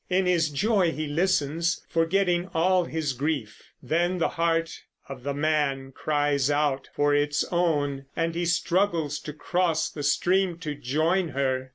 In his joy he listens, forgetting all his grief; then the heart of the man cries out for its own, and he struggles to cross the stream to join her.